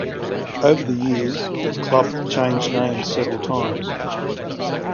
Over the years, the club changed names several times.